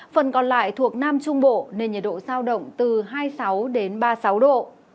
phần còn lại thuộc nam trung bộ nên nhiệt độ giao động từ hai mươi sáu ba mươi sáu độ